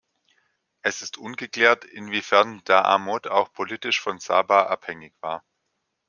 Es ist ungeklärt, inwiefern Da’amot auch politisch von Saba abhängig war.